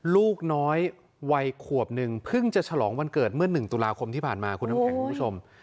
ลูกน้อยวัยขวบหนึ่งเพิ่งจะฉลองวันเกิดเมื่อหนึ่งตุลาคมที่ผ่านมาคุณผู้ชม